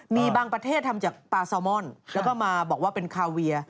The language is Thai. มีบางประเทศทำจากปลาซาวมอนแล้วก็มาบอกว่าเป็นคาเวีย